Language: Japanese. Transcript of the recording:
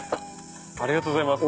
ありがとうございます。